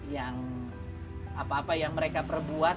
yang apa apa yang mereka perbuat